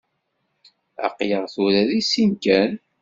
Aql-aɣ tura deg sin kan.